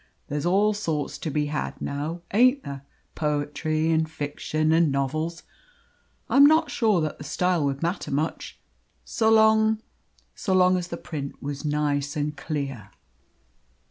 There's all sorts to be had now, ain't there poetry and fiction and novels? I am not sure that the style would matter much, so long so long as the print was nice and clear."